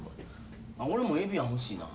俺もエビアン欲しいな。